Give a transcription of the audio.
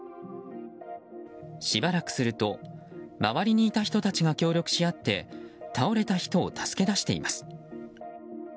しばらくすると周りにいた人たちが協力し合って倒れた人を助け出しています。